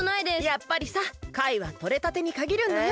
やっぱりさかいはとれたてにかぎるんだよ。